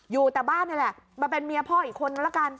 อยู่แต่บ้านนี่แหละมาเป็นเมียพ่ออีกคนนึงละกัน